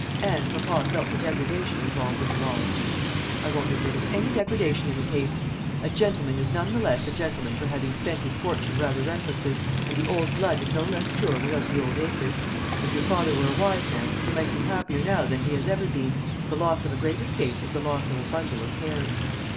" And papa felt the degradation involved in the loss." "I won't admit of any degradation in the case. A gentleman is none the less a gentleman for having spent his fortune rather recklessly, and the old blood is no less pure without the old acres. If your father were a wise man, he might be happier now than he has ever been. The loss of a great estate is the loss of a bundle of cares."